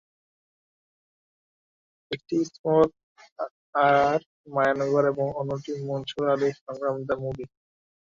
একটি ইসমত আরার মায়ানগর এবং অন্যটি মনসুর আলীর সংগ্রাম দ্য মুভি।